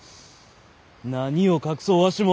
何を隠そうわしも。